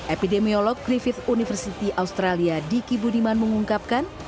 epidemiolog griffith university australia diki budiman mengungkapkan